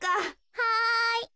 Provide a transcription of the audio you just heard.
はい。